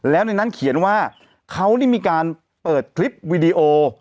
แล้วในนั้นเขียนว่าเขานี่มีการเปิดคลิปวิดีโอ